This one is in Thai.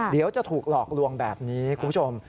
เดี๋ยวจะถูกหลอกลวงแบบนี้คุณผู้ชม